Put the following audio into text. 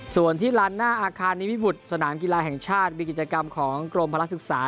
ส่วนที่ลานหน้าอาคารนิวิบุตรสนามกีฬาแห่งชาติมีกิจกรรมของกรมพลักษึกษา